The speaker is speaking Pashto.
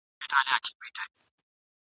دا یې ګز دا یې میدان ..